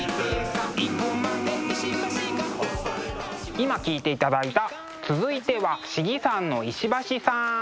今聴いていただいた「続いては、信貴山の石橋さん」。